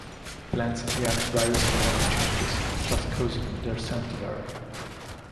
Plants react to various climatic changes, thus causing their scent to vary.